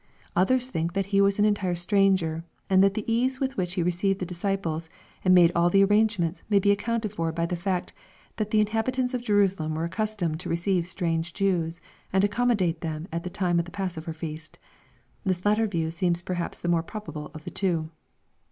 Others think that He was an entire stranger, and that the ease with which He received the disciples and made all the arrangements^ may be accounted for by the fact, that the inhabitants of Jerusa lem were accustomed to receive strange Jews, and accommodate them at the time of the passover feast. The latter view seems perhaps the more probable of the two.